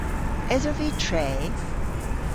Esov vy tre?